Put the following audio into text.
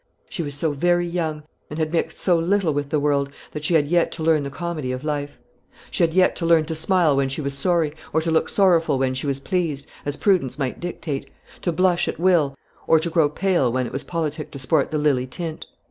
She was so very young, and had mixed so little with the world, that she had yet to learn the comedy of life. She had yet to learn to smile when she was sorry, or to look sorrowful when she was pleased, as prudence might dictate to blush at will, or to grow pale when it was politic to sport the lily tint.